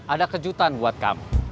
ada kejutan buat kamu